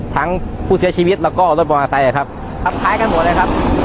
ทั้งผู้เสียชีวิตแล้วก็รถมอเตอร์ไซค์ครับทับท้ายกันหมดเลยครับ